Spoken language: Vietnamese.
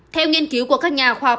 theo nghiên cứu của các nhà khoa học